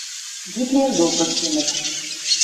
Гитлер докы кенӹт